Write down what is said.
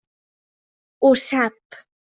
Ho sap.